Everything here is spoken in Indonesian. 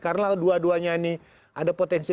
karena dua duanya ini ada potensi